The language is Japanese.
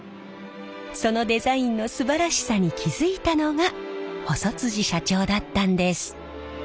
そのデザインのすばらしさに気付いたのが細社長だったんです。